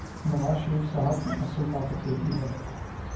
نوازشریف صاحب کی اصل طاقت یہی ہے۔